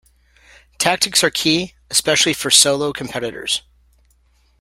Tactics are key, especially for solo competitors.